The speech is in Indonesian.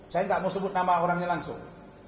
saya nggak mau sebut nama orangnya langsung